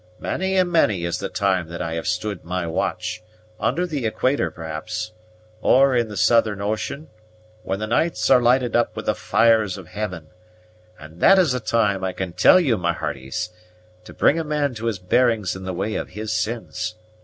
Many and many is the time that I have stood my watch, under the equator perhaps, or in the Southern Ocean, when the nights are lighted up with the fires of heaven; and that is the time, I can tell you, my hearties, to bring a man to his bearings in the way of his sins.